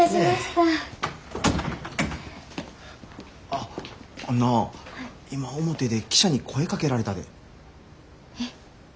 あっあんな今表で記者に声かけられたで。え？